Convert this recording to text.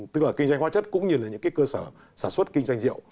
tức là kinh doanh hoa chất cũng như là những cơ sở sản xuất kinh doanh rượu